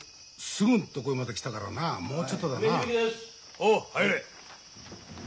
おう入れ。